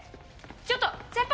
ちょっと先輩！